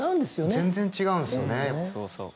全然違うんですよね。